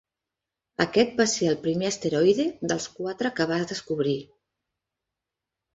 Aquest va ser el primer asteroide dels quatre que va descobrir.